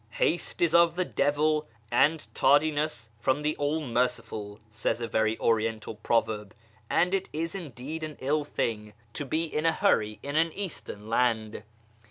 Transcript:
" Haste is of the devil, and tardiness from the All Merciful," says a very Oriental proverb, and it is indeed an ill FROM SHIrAz to YEZD 341 thing to be in a hurry in an Eastern land.